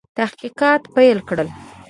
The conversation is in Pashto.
تحقیقات پیل کړل.